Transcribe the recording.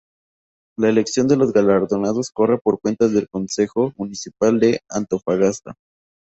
La elección de los galardonados corre por cuenta del Concejo Municipal de Antofagasta.